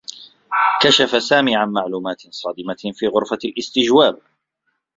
كشف سامي عن معلومات صادمة في غرفة الاستجواب.